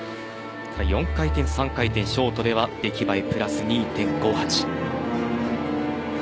４回転、３回転ショートでは出来栄えプラス２．５８。